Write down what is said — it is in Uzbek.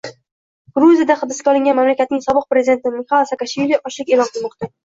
Gruziyada hibsga olingan mamlakatning sobiq prezidenti Mixail Saakashvili ochlik eʼlon qilmoqda.